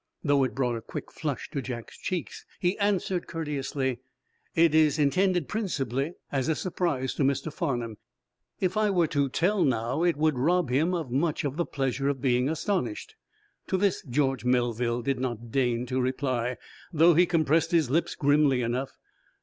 Though it brought a quick flush to Jack's cheeks, he answered, courteously: "It is intended, principally, as a surprise to Mr. Farnum. If I were to tell, now, it would rob him of much of the pleasure of being astonished." To this George Melville did not deign to reply, though he compressed his lips grimly enough.